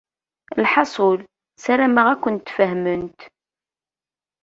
Lḥaṣul, ssarameɣ ad kent-fehment.